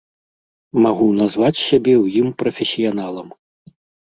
Магу назваць сябе ў ім прафесіяналам.